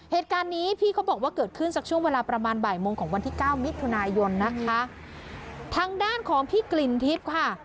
เหตุการณ์นี้พี่เขาบอกว่าเกิดขึ้นสักช่วงเวลาประมาณบ่ายโมงของวันที่เก้ามิถุนายนนะคะทางด้านของพี่กลิ่นทิพย์ค่ะ